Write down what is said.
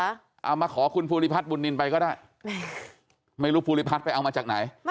เอามาขอคุณภูริพัฒนบุญนินไปก็ได้ไม่รู้ภูริพัฒน์ไปเอามาจากไหน